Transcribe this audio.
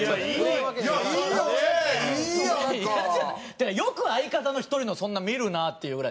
だからよく相方の１人のそんな見るなあっていうぐらい。